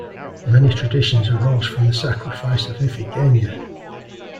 Many traditions arose from the sacrifice of Iphigenia.